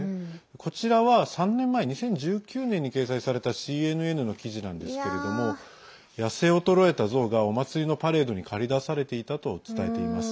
こちらは３年前２０１９年に掲載されたＣＮＮの記事なんですけれども痩せ衰えたゾウがお祭りのパレードにかり出されていたと伝えています。